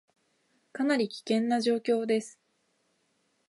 かなり危険な状況です